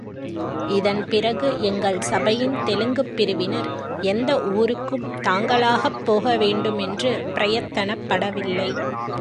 இதன் பிறகு எங்கள் சபையின் தெலுங்குப் பிரிவினர், எந்த ஊருக்கும் தாங்களாகப் போக வேண்டுமென்று பிரயத்தனப்படவில்லை.